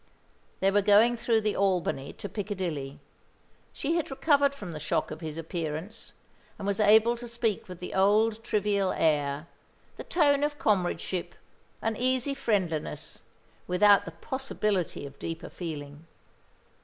They were going through the "Albany" to Piccadilly. She had recovered from the shock of his appearance, and was able to speak with the old trivial air, the tone of comradeship, an easy friendliness, without the possibility of deeper feeling.